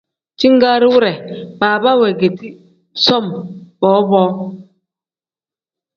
Jingaari wire baaba weegedi som bowa bowa.